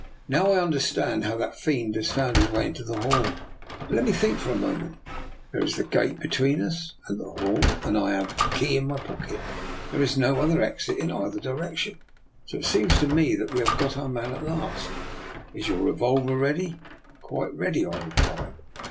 *' Now I understand how that fiend has found his way into the hall. But let me think for a moment: there is the gate between us and the hall, and I have the key in my pocket. There is no other exit in either direction, so it seems to me that we 282 DR. NIKOLA'S EXPERIMENT. have got our man at last. Is your revolver ready? "" Quite ready/' I replied.